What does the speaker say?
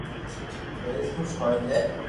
پيرين خوس ھوئي جي